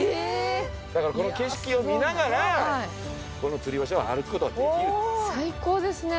だからこの景色を見ながらこのつり橋を歩く事ができる。